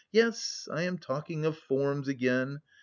Yes... I am talking of forms again.